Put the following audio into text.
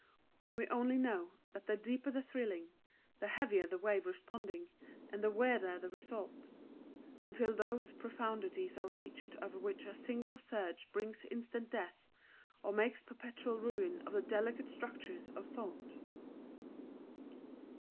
We only know that the deeper the thrilling, the heavier the wave responding, and the weirder the result, until those profundities are reached of which a single surge brings instant death, or makes perpetual ruin of the delicate structures of thought.